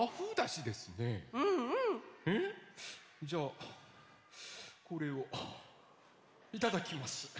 じゃあこれをいただきます。